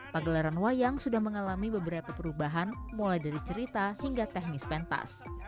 pagelaran wayang sudah mengalami beberapa perubahan mulai dari cerita hingga teknis pentas